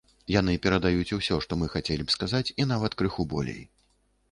Яны перадаюць усё, што мы хацелі б сказаць, і нават крыху болей.